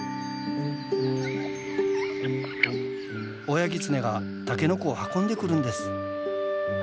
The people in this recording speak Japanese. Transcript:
親ギツネがタケノコを運んでくるんです。